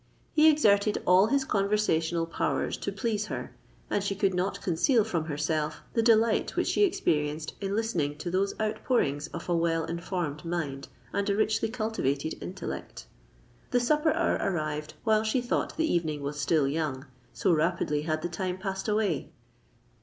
He exerted all his conversational powers to please her; and she could not conceal from herself the delight which she experienced in listening to those outpourings of a well informed mind and a richly cultivated intellect. The supper hour arrived while she thought the evening was still young—so rapidly had the time passed away.